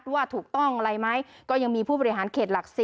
ว่าถูกต้องอะไรไหมก็ยังมีผู้บริหารเขตหลัก๔